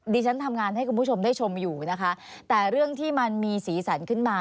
ดิฉันทำงานให้คุณผู้ชมได้ชมอยู่นะคะแต่เรื่องที่มันมีสีสันขึ้นมา